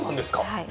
はい。